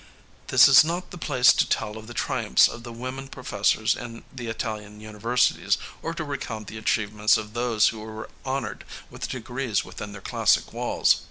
This is not the place to tell of the triumphs of the women professors in the Italian universities, or to recount the achievements of those who were honored with degrees within their classic walls.